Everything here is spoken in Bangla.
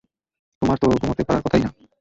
তোমার তো ঘুমোতে পারার কথাই না।